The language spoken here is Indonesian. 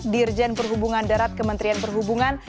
dirjen perhubungan darat kementerian perhubungan